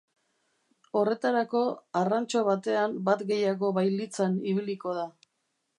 Horretarako, arrantxo batean bat gehiago bailitzan ibiliko da.